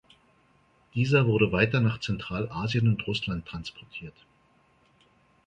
Dieser wurde weiter nach Zentralasien und Russland transportiert.